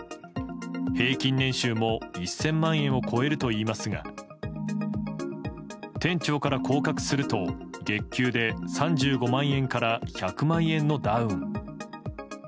平均年収も１０００万円を超えるといいますが店長から降格すると、月給で３５万円から１００万円のダウン。